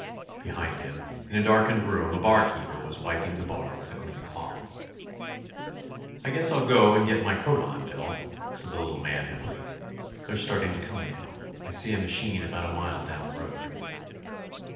Behind him, in a darkened room, a barkeeper was wiping the bar with a clean cloth. "I guess I'll go and get my coat on, Bill," said the little man heavily. "They're starting to come now. I see a machine about a mile down the road."